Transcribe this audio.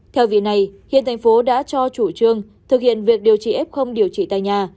thay vì này hiện thành phố đã cho chủ trương thực hiện việc điều trị f điều trị tại nhà